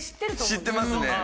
知ってますね。